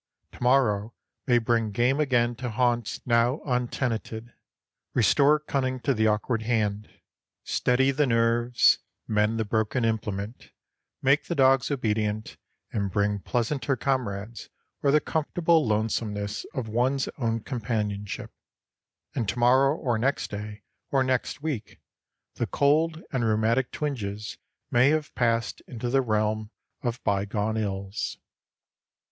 To morrow may bring game again to haunts now untenanted, restore cunning to the awkward hand, steady the nerves, mend the broken implement, make the dogs obedient and bring pleasanter comrades or the comfortable lonesomeness of one's own companionship, and to morrow or next day or next week the cold and rheumatic twinges may have passed into the realm of bygone ills.